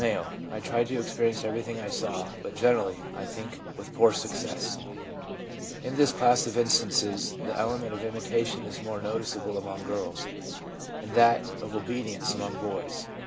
I tried to experience everything I saw, but gener ally, I think, with poor success/ In this class of instances the element of imitation is more noticeable among girls, and that of obedience among boys.